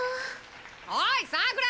おいさくら。